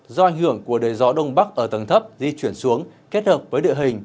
do ảnh hưởng của đời gió đông bắc ở tầng thấp di chuyển xuống kết hợp với địa hình